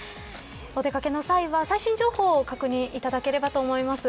お出掛けの際は最新情報確認いただければと思います。